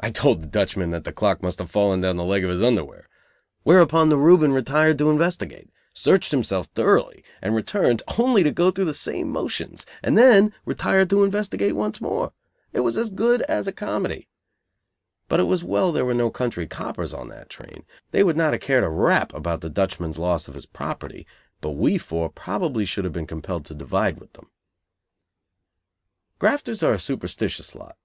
I told the Dutchman that the clock must have fallen down the leg of his underwear; whereupon the Reuben retired to investigate, searched himself thoroughly and returned, only to go through the same motions, and then retire to investigate once more. It was as good as a comedy. But it was well there were no country coppers on that train. They would not have cared a rap about the Dutchman's loss of his property, but we four probably should have been compelled to divide with them. Grafters are a superstitious lot.